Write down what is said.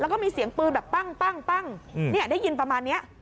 แล้วก็มีเสียงปืนแบบปั้งได้ยินประมาณนี้